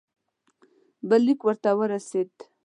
بل لیک ورته ورسېد.